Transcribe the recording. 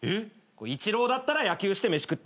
イチローだったら野球して飯食ってる。